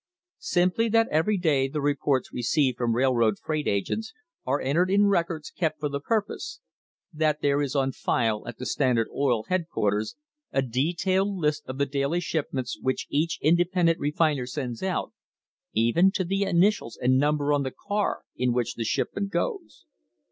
Simply that every day the reports received from railroad freight agents are entered in records kept for the purpose ; that there is on file at the Standard Oil headquarters a detailed list of the daily shipments which each independent refiner sends out, even to the initials and num ber on the car in which the shipment goes.